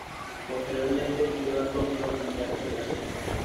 Posteriormente pidió a su amigo cambiar el asiento.